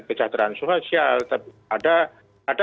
kejahteraan sosial ada